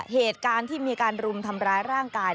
เหตุการณ์ที่มีการรุมทำร้ายร่างกาย